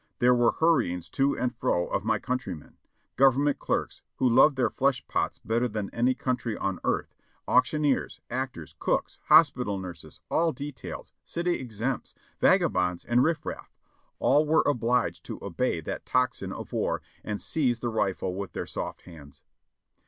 There were hurryings to and fro of my countrymen ; Government clerks, who loved their flesh pots better than any country on earth ; auction eers, actors, cooks, hospital nurses, all details, city exempts, vag abonds and riff raff, all were obliged to obey that tocsin of war and seize the rifle with their soft hands.